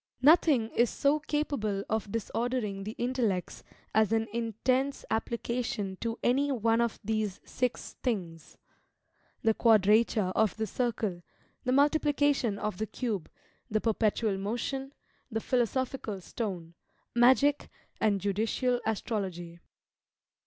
Nothing is so capable of disordering the intellects as an intense application to any one of these six things: the Quadrature of the Circle; the Multiplication of the Cube; the Perpetual Motion; the Philosophical Stone; Magic; and Judicial Astrology.